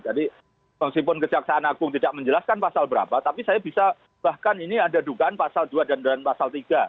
jadi meskipun kejaksaan aku tidak menjelaskan pasal berapa tapi saya bisa bahkan ini ada dugaan pasal dua dan pasal tiga